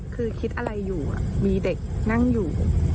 คือคิดอะไรอยู่มีเด็กนั่งอยู่